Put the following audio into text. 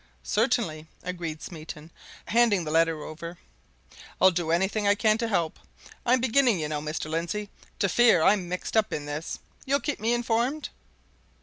"Certainly," agreed Smeaton, handing the letter over. "I'll do anything I can to help. I'm beginning, you know, Mr. Lindsey, to fear I'm mixed up in this. You'll keep me informed?"